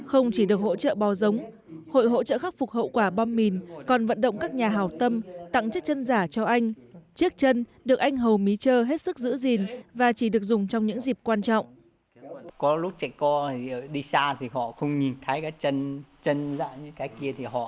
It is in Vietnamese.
hỗ trợ khắc phục hậu quả bom mìn việt nam tặng gia đình một con bò giống làm sinh kế